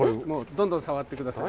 どんどん触って下さい。